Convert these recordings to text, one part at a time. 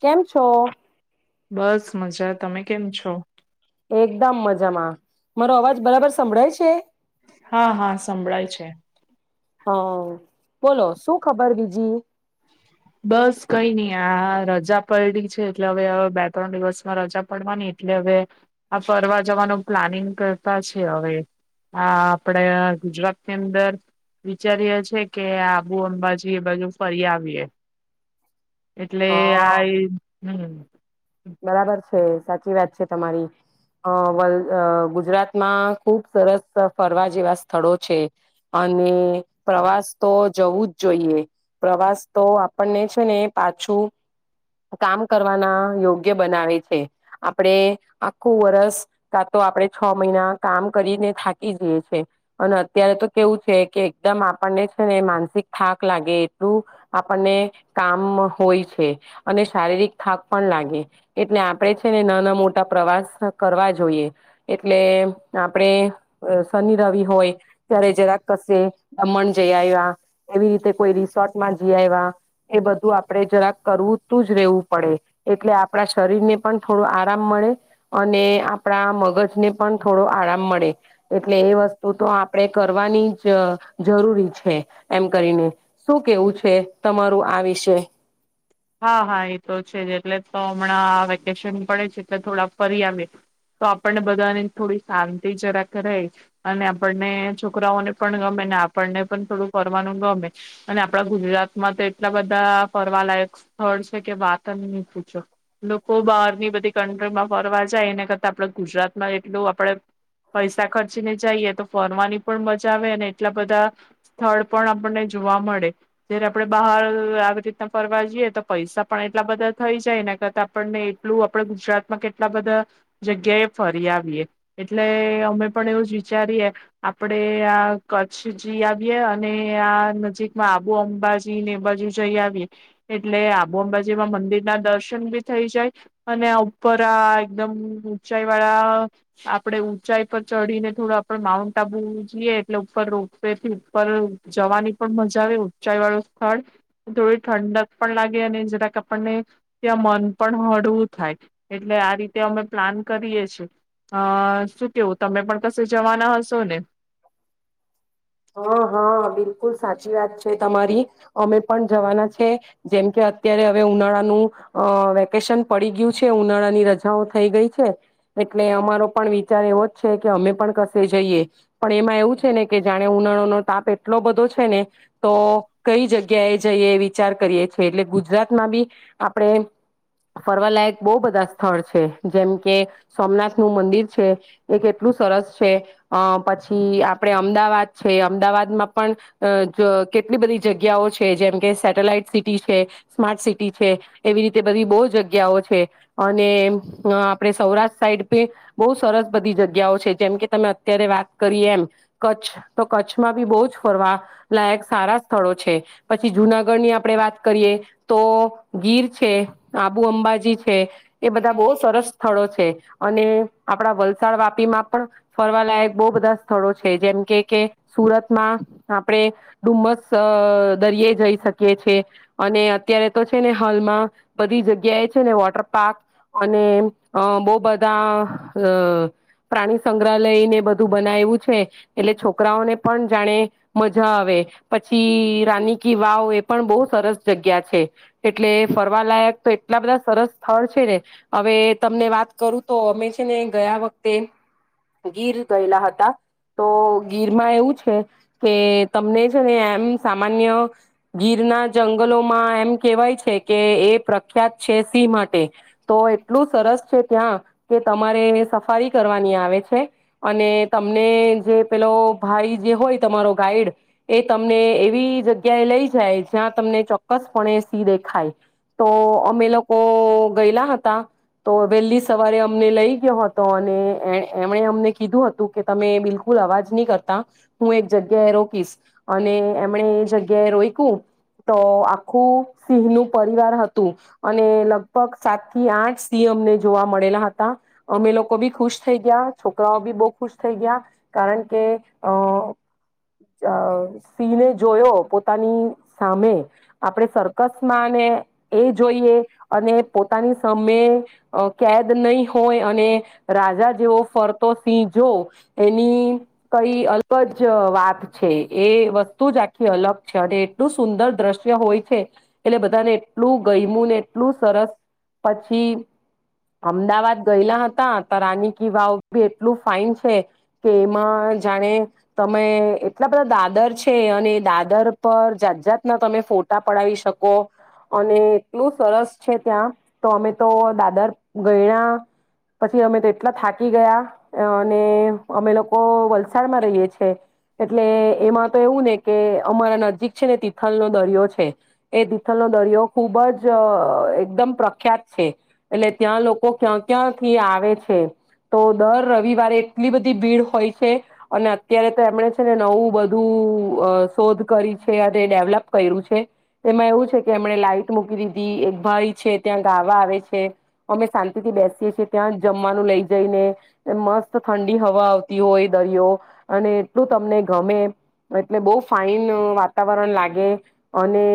કેમ છો? બસ મજા, તમે કેમ છો? એકદમ મજામાં, મારો અવાજ બરાબર સંભળાય છે? હા હા સંભળાય છે. હા બોલો શું ખબર બીજી? બસ કઈ નહી આ રજા પડડી છે એટલે હવે હવે બે ત્રણ દિવસમાં રજા પડવાની એટલે હવે આ ફરવા જવાનું પ્લાનિંગ કરતા છે હવે, આ આપડે ગુજરાતની અંદર વિચારીએીએ કે આબુ અંબાજી એ બાજુ ફરી આવીએ. એટલે હા આ એ હમ્મ. બરાબર છે સાચી વાત છે તમારી અ વલ ગુજરાતમાં ખુબ સરસ ફરવા જેવા સ્થળો છે, અને પ્રવાસ તો જવું જ જોઈએ. પ્રવાસ તો આપણને છે ને પાછું કામ કરવાના યોગ્ બનાવે છે, આપણે આખું વરસ કા તો આપણે છ મહિના કામ કરીને થાકી જઈએ છે અને અત્યારે તો કેવું છે કે એકદમ આપણને છે ને માનસિક થાક લાગે એટલું આપણને કામ હોય છે અને શારીરિક થાક પણ લાગે. એટલે આપણેે છે ને નાના મોટા પ્રવાસ કરવા જોઈએ, એટલે આપણેે શનિ રવિ હોય ત્યારે જરાક કશે દમણ જઈ આવ્યા, એવી રીતે કોઈ રિસોર્ટમાં જઈ આવ્યા એ બધું આપણેે જરાક કરવું તું જ રહેેવું પડે એટલે આ આપણા શરીરને પણ થોડો આરામ મળે અને આપણા મગજને પણ થોડો આરામ મળે, એટલે એ વસ્તુ તો આપણે કરવાની જ જરૂરી છે, એમ કરીને શું કેવું છે તમારું આ વિષય હા હા એ તો છે જ એટલે તો હમણાં વેકેશન પડે છે, એટલે થોડા ફરી આવએ તો આપણને બધાની થોડી શાંતિ જરાક રહી અને આપણને છોકરાઓને પણ ગમે ને આપણને પણ થોડું ફરવાનું ગમે અને આપણા ગુજરાતમાં તો એટલા બધા ફરવાલાયક. સ્થળ વાત ન પૂછો લોકો બહારની બધી કન્ટ્રીમાં ફરવા જાય એના કરતા આપડ ગુજરાતમાં એટલું આપડે પૈસા ખર્ચીને જઈએ, તો ફરવાની પણ મજા આવે અને એટલા બધા સ્થળ પણ આપણને જોવા મળે, જયારે આપણે બહાર આવી રીતના ફરવા જઈએ તો. પૈસા પણ એટલા બધા થઈ જાય ને કરતા આપણને એટલું આપણે ગુજરાતમાં કેટલા બધા જગ્યાએ ફરી આવીએ, એટલે અમે પણ એવું જ વિચારીએ આપણેે આ કચ્છ જઈ આવીએ અને આ નજીકમાં આબુ અંબાજી ને એ બાજુ જઈ આવીએ. એટલે આબુ અંબાજીમાં મંદિર ના દર્શન બી થઈ જાય અને આ ઉપર આ એકદમ ઊંચાઈ વાળા આપડે ઊંચાઈ પર ચઢીને થોડું આપ માઉન્ટ આબુ જઈએ, એટલે ઉપર રોપ વે થી ઉપર જવાની પણ મજા આવે ઊંચાઈ વાળું સ્થળ થોડી ઠંડક. પણ લાગે અને જરાક આપણને ત્યાં મન પણ હળવું થાય એટલે આ રીતે અમે પ્લાન કરીએ છીએ. અ શું કેવું તમે પણ કશે જવાના હશો ને? હા હા બિલકુલ સાચી વાત છે તમારી અમે પણ જવાના છે જેમ કે અત્યારે હવે ઉનાળાનું અ વેકેશન પડી ગયું છે, ઉનાળાની રજાઓ થઈ ગઈ છે એટલે અમારો પણ વિચાર એવો જ છે કે અમે પણ કશે જઈએ પણ એમાં એવું છે ને કે. જાણે ઉનાળો નો તાપ એટલો બધો છે ને તો કઈ જગ્યાએ જઈએ વિચાર કરીયએ છે, એટલે ગુજરાતમાં બી આપણે ફરવાલાયક બહુ બધા સ્થળ છે જેમ કે સોમનાથ નું મંદિર છે એ કેટલું સરસ છે, અ પછી આપણે અ અમદાવાદ છે. અમદાવાદમાં પણ કેટલી બધી જગ્યાઓ છે જેમ કે સેટેલાઈટ સિટી છે, સ્માર્ટ સિટી છે, એવી રીતે બધી બહુ જગ્યાઓ છે અને આપણે સૌરાષ્ટ્ર સાઈડ પણ બહુ સરસ બધી જગ્યાઓ છે જેમ કે તમે અત્યારે વાત કરી એમ. કચ્છ તો કચ્છમાં બી બહુ જ ફરવા લાયક સારા સ્થળો છે, પછી જુનાગઢની આપડે વાત કરીએ તો ગીર છે, આબુ અંબાજી છે. એ બધા બહુ સરસ સ્થળો છે અને આપડા વલસાડ વાપીમાં પણ ફરવાલાાયક બહુ બધા સ્થળો છે. જેમ કે કે સુરતમાં આપણે ડુમસ દરિયે જઈ શકીએ છે, અને અત્યારે તો છે ને હાલમાં બધી જગ્યાએ છે ને વોટર પાર્ક અને અ બહુ બધા અ પ્રાણી સંગ્રહાલય ને બધું બનાવું છે. એટલે છોકરાઓને પણ જાણે મજા આવે પછી રાની કી વાવ, એ પણ બહુ સરસ જગ્યા છે એટલે ફરવાલાયક તો એટલા બધા સરસ સ્થળ છે ને હવે તમને વાત કરું તો અમે છે ને ગયા વખતે ગીર ગયેલા હતા. તો ગીરમાં એવું છે કે તમને છે ને એમ સામાન્ય ગીર ના જંગલોમાં એમ કેહેવાય છે કે એ પ્રખ્યાત છે સિંહ માટે, તો એટલું સરસ છે ત્યાં કે તમારે સફારી કરવાની આવે છે અને તમ જે પેલો ભાઈ જે હોય તમારો ગાઈડ એ તમને એવી જગ્યાએ લઈ જાય જ્યાં તમને ચોક્કસપણે સી દેખાય, તો અમે લોકો ગયેલા હતા તો વહેલી સવારે અમને લઈ ગયો હતો અને એમણે અમને કીધું હતું કે. તમે બિલકુલ અવાજ નહી કરતા હું એક જગ્યા એ રોકીશ અને એમણે એ જગ્યા એ રોક્યું, તો આખું સિંહ નું પરિવાર હતું અને લગભગ સાત થી આઠ સિંહ અમને જોવા મળેલા હતા અમે લોકો બી ખુશ થઈ ગયા છોકરાઓ બી બહુ ખુશ. થઈ ગયા કારણ કે અ સિંહને જોયો પોતાની સામે આપણે સરકસ માં ને એ જોઈએ અને પોતાની સામે કેદ નહીં હોય અને રાજા જેવો ફરતો સિંહ જો. એની કઈ અલગ જ વાત છે એ વસ્તુ જ આખી અલગ છે, અને એટલું સુંદર દ્રશ્ય હોય છે એટલે બધાને એટલું ગયમું ને એટલું સરસ પછી અમદાવાદ ગયેલા હતા ત રાની કી વાવી એટલું ફાાઈન છે. કે એમાં જાણે તમે એટલા બધા દાદર છે અને દાદર પર જાત જાતના તમે ફોટા પડાવી શકો અને એટલું સરસ છે ત્યાં તો અમે તો દાદર ગયણા પછી અમે તો એટલા થાકી ગયા અને અમે લોકો વલસાડમાં રહીએ છ છે એટલે એમાં તો એવું ને કે અમારા નજીક છે ને તિથલનોો દરિયો છે એ તિથલનોો દરિયો ખુબ જ એકદમ પ્રખ્યાત છે એટલે ત્યાં લોકો ક્યાં ક્યાંથી આવે છે તો દર રવિવારે એટલી બધી ભીડ હોય છે અને અત્યારે તો એમણે છે ને નવું બધું શોધ કરી છે અને ડેવલપ કર્યું છે એમાં એવું છે કે એમણે લાઈટ મૂકી દીધી એક ભાઈ છે ત્યાં ગાવા આવે છે અમે શાંતિથી બેસીએ છીએ ત્યાં જમવાનું લઇ જઈને મસ્ત ઠંડ હવા આવતી હોય દરિયો અને એટલું તમને ગમે એટલે બહુ ફાઈન વાતાવરણ લાગે અને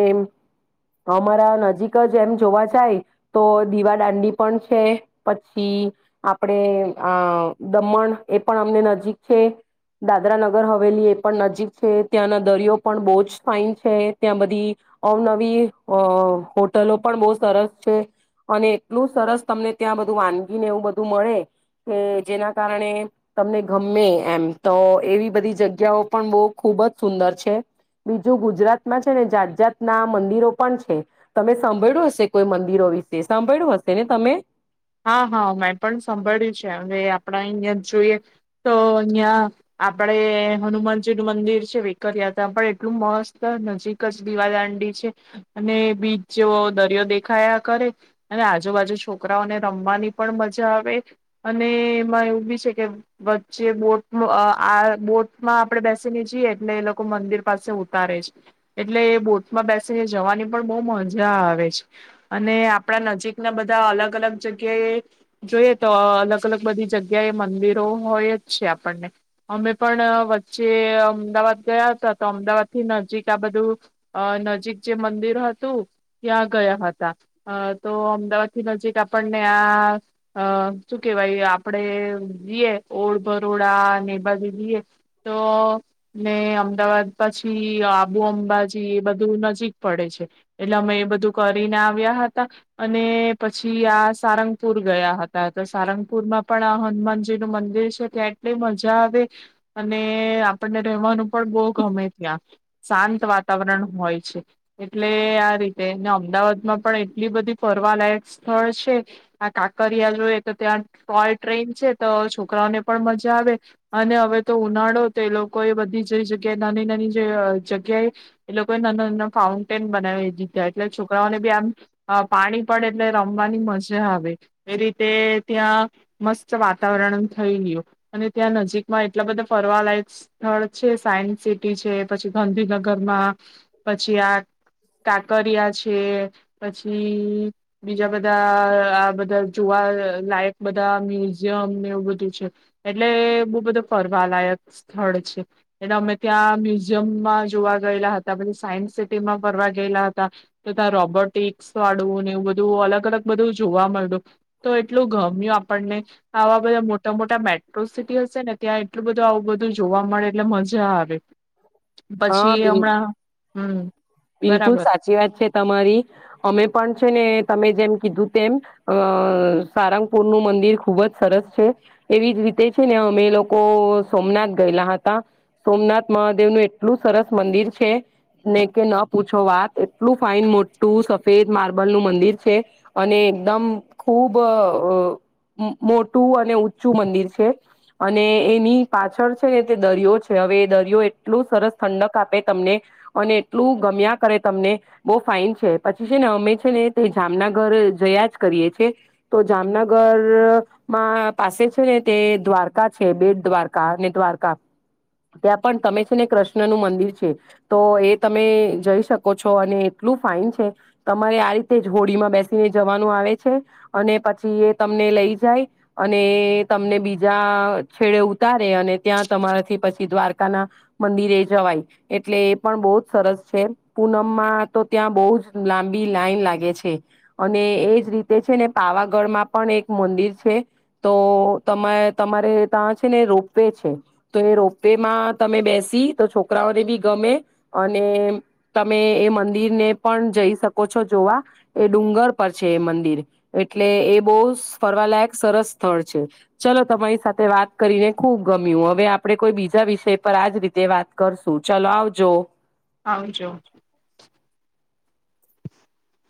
અમારા નજીક જ એમ જોવા જાય તો દીવા દાંડી પણ છે પછી આપણે આ દમણ એ પણ અમને નજીક છે દાદરા નગર હવેલી એ પણ નજીક છે ત્યાંના દરિયો પણ બહુ જ ફાઈન છે ત્યાં બધી અવનવી હોટલો પણ બહુ સરસ છે અને એટલું સરસ તમને ત્યાં બધું વાનગીને એવું બધું મળે કે જેના કારણે તમને ગમે એમ તો એવી બધી જગ્યાઓ પણ બહ ખુબ જ સુંદર છે બીજું ગુજરાતમાં છે ને જાત જાતના મંદિરો પણ છે તમે સાંભળ્યું હશે કોઈ મંદિરો વિશે સાંભળ્યું હશે ને તમે. હા હા મેં પણ સાંભળ્યું છે આપડા અહં જોઈએ તો અહિયાં આપડે હનુમાનજી નું મંદિર છે વેકરયાત્રા પણ એટલું મસ્ત નજીક જ દીવાદાંડી છે અને બીચ જેવો દરિયો દેખાયા કરે અને આજુબાજુ છોકરાઓને રમવાની પણ મજા આવે અને એમાં એવું બી છે કે વચ્ચે બોટ આ બોટમાં આપણે બેસીને જઈએ એટલે એ લોકો મંદિર પાસે ઉતારે છે એટલે એ બોટમાં બેસીને જવાની પણ બહુ મજા આવે છે અને આપડા નજીકના બધા અલગ અલગ જગ્યાએ જોઈએ તો અલગ અલગ બધી જગ્યા એ મંદિરો હોય જ છે આપણને અમે પણ વચ્ચે અમદાવાદ ગયા હતા તો અમદાવાદ થી નજીક આ બધું અ નજીક જે મંદિર હતું ત્યાં ગયા હતા તો અમદાવાદ થી નજીક આપણને આ શું કેહેવાય આપડે જઈએ ઓળ ભરોડા અનેને એ બાજુ જઈએ તો ને અમદાવાદ પછી આબુ અંબાજી એ બધું નજીક પડે છે એટલે અમે એ બધું કરીને આવ્યા હતા અને પછી આ સારંગપુર ગયા હતા તો સારંગપુર માં પણ આ હનુમાનજી નું મંદિર છે ત્યાં એટલી મજા આવે અને આપણને રવાનું પણ બહુ ગમે ત્યાં શાંત વાતાવરણ હોય છે એટલે આ રીતે અમદાવાદમાં પણ એટલી બધી ફરવાલાયક સ્થળ છે આ કાકરિયા જોઈ તો ત્યાં ટોય ટ્રેન છે તો છોકરાઓને પણ મજા આવે અને હવે તો ઉનાળો તો એ લોકો એ બધી જે જગ્યાએ નાની નાની જે જગ્યાએ એ લોકોએ નાના નાના ફાઉન્ટેન બનાવી દીધા એટલે છોકરાઓને બી આમ પાણી પડે એટલે રમવાની મજા આવે એ રીતે ત્યાં મસ્ત વાતાવરણ થઈ ગું અને ત્યાં નજીકમાં એટલા બધા ફરવાલાયક સ્થળ છે સાયન્સ સિટી છે પછી ગાંધીનગરમાં પછી આ કાકરિયા છે પછી બીજા બધા આ બધા જોવા લાયક બધા મ્યુઝિયમ ને એવું બધું છે એટલે બહુ બધું ફરવા લાયક સ્થળ છે એટલે અમે ત્યાં મ્યુઝિયમમાં જોવા ગયેલા હતા પધી સાયન્સ સિટીમાં ફરવા ગયેલા હતા તો ત્યાં રોબોટિક્સ વાળું ને એવું બધું બું અલગ અલગ બધું જોવા મળ્યું તો એટલું ગમ્યું આપણને આવા બધા મોટા મોટા મેટ્રો સિટી હશે ને ત્યાં એટલું બધું આવું બધું જોવા મળે એટલે મજા આવે. હા પછી બિલ હમણાં હમ. બિલકુલ બરાબર સાચી વાત છે તમારી અમે પણ છે ને તમે જેમ કીધું તેમ અ સારંગપુર નું મંદિર ખુબ જ સરસ છે એવી જ રીતે છે ને અમે એ લોકો સોમનાથ ગયેલા હતા સોમનાથ મહાદેવનું એટલું સરસ મંદિર છે ને કે ન પૂછો વાત એટલું ફાઇન મોટું સફેદ માર્બલનુંું મંદિર છે અને એકદમ ખુબ મોટું અને ઊંચું મંદિર છે અને એની પાછળ છે ને તે દરિયો છે હવે એ દરિયો એટલું સરસ ઠંડક આપે તમને અને એટલું મ કર તમને બહુ ફાઈન છે પછી છે ને અમે છે ને તે જામનગર જયા જ કરીએ છે તો જામનગરમાં પાસે છે ને તે દ્વારકા છે બેટ દ્વારકા અને દ્વારકા ત્યાં પણ તમે છે ને કૃષ્ણનું મંદિર છે તો એ તમે જઈ શકો છો અને એટલું ફાાઈન છે તમારે આ રીતે હોડીમાં બેસીને જવાનું આવે છે અને પછી એ તમને લઈ જાય અને તમને બીજા છેડે ઉતારે અને ત્યાં તમારાથી પછી દ્વારકા ના મંદિરે જવાય એટલે એ પણ બહુ જ સરસ છે. પૂનમમાં તો ત્યાં બહુ જ લાંબી લાઈન લાગે છે અને એજ રીતે છે ને પાવાગઢમાં પણ એક મંદિર છે તો તમારે ત્યાં છે ને રોપવે છે તો એ રોપવેમાં તમે બેસી તો છોકરાઓને બી ગમે અને તમે એ મંદિર ને પણ જઈ શકો છો જોવા એ ડુંગર પર છે એ મંદિર એટલે એ બહુ ફરવાલાયક સરસ સ્થળ છે ચલો તમારી સાથે વાત કરીને ખુબ ગમ્યું હવે આપડે કોઈ બીજા વિષય પર આજ રીતે વાત કરશું ચાલ આવજો. હ જો. [inaudible]